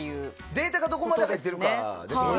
データがどこまで入ってるかですよね。